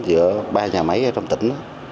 giữa ba nhà máy ở trong tỉnh